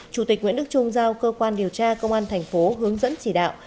chủ tịch nguyễn đức trung giao cơ quan điều tra công an tp hướng dẫn chỉ đạo